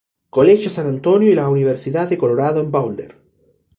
Colegio San Antonio y la Universidad de Colorado en Boulder.